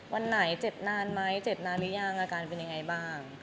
วันไหนเจ็บนานมั้ยเจ็บนานรึยังอาการเป็นอะไรบ้าง